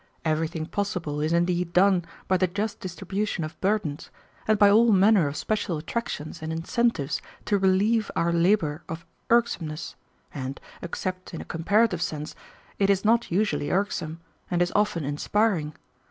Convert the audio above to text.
Everything possible is indeed done by the just distribution of burdens, and by all manner of special attractions and incentives to relieve our labor of irksomeness, and, except in a comparative sense, it is not usually irksome, and is often inspiring.